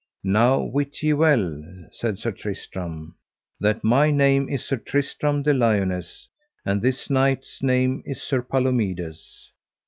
Now wit ye well, said Sir Tristram, that my name is Sir Tristram de Liones, and this knight's name is Sir Palomides.